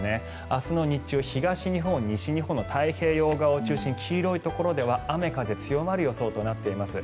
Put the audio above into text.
明日の日中、東日本、西日本の太平洋側を中心に黄色いところでは雨、風が強まる予想となっています。